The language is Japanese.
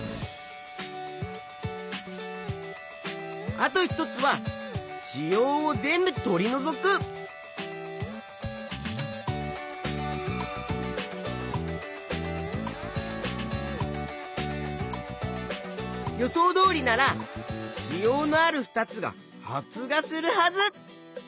あと一つは子葉を全部とりのぞく。予想どおりなら子葉のある２つが発芽するはず！